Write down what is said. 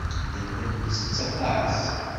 Nella nettett aṭas.